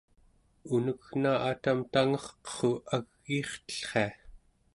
unegna atam tangerqerru agiirtellria!